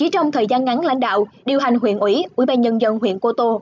trong thời gian ngắn lãnh đạo điều hành huyện ủy ủy ban nhân dân huyện cô tô